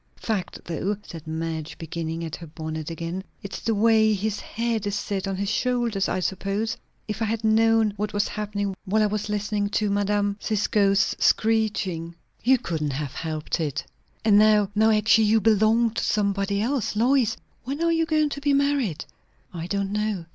"Fact, though," said Madge, beginning at her bonnet again. "It's the way his head is set on his shoulders, I suppose. If I had known what was happening, while I was listening to Mme. Cisco's screeching!" "You couldn't have helped it." "And now, now, actually you belong to somebody else! Lois, when are you going to be married?" "I don't know."